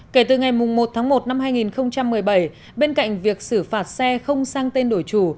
kể từ ngày một tháng một năm hai nghìn một mươi bảy bên cạnh việc xử phạt xe không sang tên đổi chủ